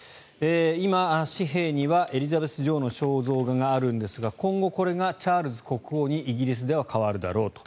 今、紙幣にはエリザベス女王の肖像画があるんですが今後、これがチャールズ国王にイギリスでは変わるだろうと。